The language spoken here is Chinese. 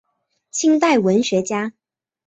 清代文学家。